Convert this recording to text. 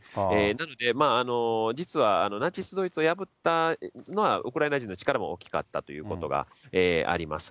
なので、実はナチス・ドイツを破ったのはウクライナ人の力も大きかったということがあります。